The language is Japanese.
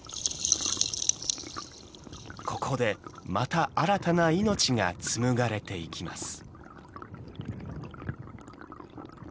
ここでまた新たな命が紡がれていきます。